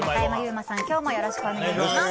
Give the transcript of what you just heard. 馬さん、今日もよろしくお願いします。